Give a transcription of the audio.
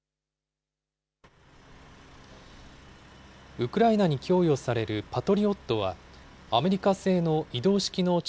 ウクライナに供与されるパトリオットは、アメリカ製の移動式の地